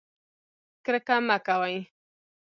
کرکه مه کوئ